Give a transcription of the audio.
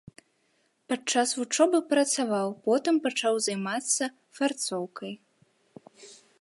Падчас вучобы працаваў, потым пачаў займацца фарцоўкай.